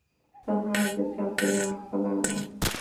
سهار د چاپېریال ښکلا ده.